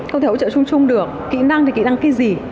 không thể hỗ trợ chung chung được kỹ năng thì kỹ năng cái gì